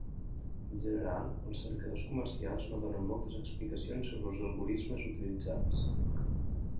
En general, els cercadors comercials no donen moltes explicacions sobre els algorismes utilitzats.